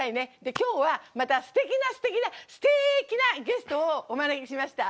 今日は、またすてきなすてきなすてーきなゲストをお招きしました。